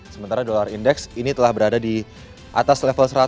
sementara dolar indeks ini telah berada di atas level seratus